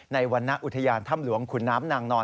วรรณอุทยานถ้ำหลวงขุนน้ำนางนอน